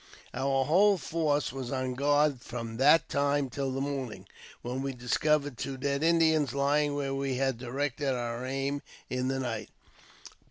Our whole force was on guard from that time till the morning, when we discovered two dead Indians lying where we had directed our aim in the night.